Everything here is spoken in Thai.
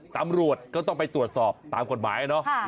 ตำรวจก็ต้องไปตรวจสอบตามกฎหมายเนอะ